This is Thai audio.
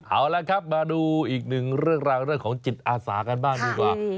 เอาละครับมาดูอีกหนึ่งเรื่องราวเรื่องของจิตอาสากันบ้างดีกว่า